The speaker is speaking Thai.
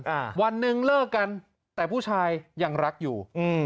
อ่าวันหนึ่งเลิกกันแต่ผู้ชายยังรักอยู่อืม